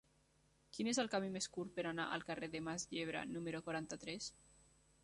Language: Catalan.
Quin és el camí més curt per anar al carrer de Mas Yebra número quaranta-tres?